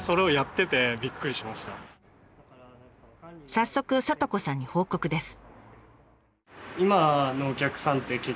早速佐都子さんに報告です。